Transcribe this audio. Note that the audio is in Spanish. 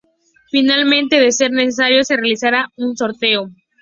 Finalmente, de ser necesario, se realizaría un sorteo.